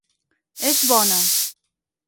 És bona!